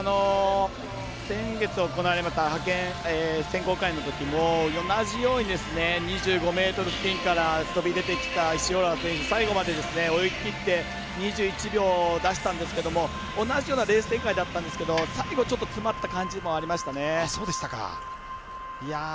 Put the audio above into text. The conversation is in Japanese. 先月行われました派遣選考会のときも同じように２５ｍ付近から飛び出てきた塩浦選手、最後まで泳ぎ切って２１秒を出したんですが同じようなレース展開だったんですけど最後ちょっと詰まった感じもありましたね。